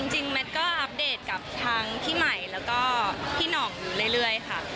แมทก็อัปเดตกับทางพี่ใหม่แล้วก็พี่หน่องเรื่อยค่ะ